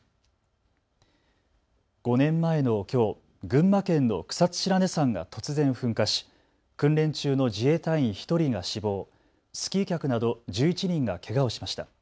５年前のきょう群馬県の草津白根山が突然噴火し訓練中の自衛隊員１人が死亡、スキー客など１１人がけがをしました。